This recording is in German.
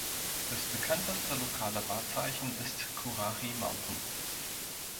Das bekannteste lokale Wahrzeichen ist Currahee Mountain.